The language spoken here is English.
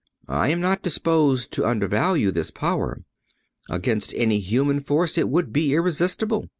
I am not disposed to undervalue this power. Against any human force it would be irresistible.